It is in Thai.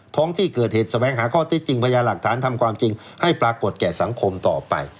ท้องที่เกิดเหตุแสวงหาข้อเท็จจริงพยาหลักฐานทำความจริงให้ปรากฏแก่สังคมต่อไป